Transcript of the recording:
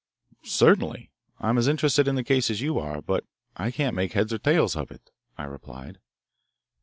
"Certainly. I am as interested in the case as you are, but I can't make heads or tails of it," I replied.